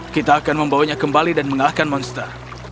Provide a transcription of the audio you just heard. kita akan membawanya kembali dan mengalahkan monster